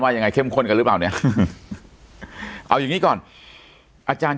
ยังไงเข้มข้นกันหรือเปล่าเนี่ยเอาอย่างงี้ก่อนอาจารย์